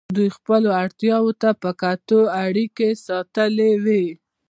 دوی خپلو اړتیاوو ته په کتو اړیکې ساتلې وې.